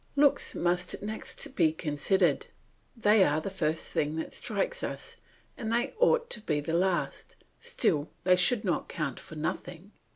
Looks must next be considered; they are the first thing that strikes us and they ought to be the last, still they should not count for nothing.